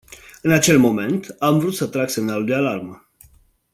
În acel moment am vrut să trag semnalul de alarmă.